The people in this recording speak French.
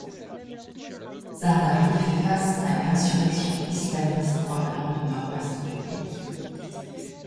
Zardari fait face à une insurrection islamiste provenant du Nord-Ouest du pays.